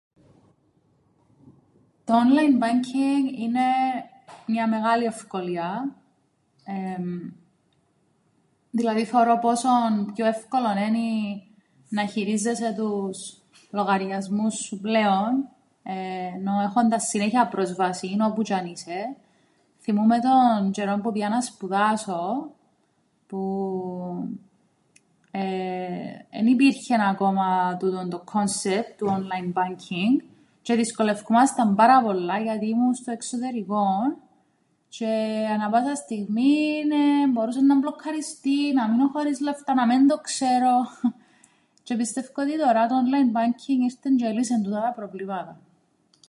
Το όνλαϊν μπάνκινγκ είναι μια μεγάλη ευκολία. Δηλαδή θωρώ πόσον πιο εύκολον ένι να χειρίζεσαι τους λογαριασμούς σου πλέον, ενώ έχοντας συνέχειαν πρόσβασην όπου τζ̆αι αν είσαι. Θθυμούμαι τον τζ̆αιρόν που επήα να σπουδάσω, που εν υπήρχεν ακόμα τούτον το κόνσεπτ του όνλαϊν μπάνκινγκ τζ̆αι εδυσκολευκούμασταν πάρα πολλά γιατί ήμουν στο εξωτερικόν τζ̆αι ανά πάσαν στιγμήν εμπορούσεν να μπλοκκαριστεί, να μείνω χωρίς λεφτά, να μεν το ξέρω, τζ̆αι πιστεύκω ότι τωρά το όνλαϊν μπάνκινγκ ήρτεν τζ̆αι έλυσεν τούτα τα προβλήματα.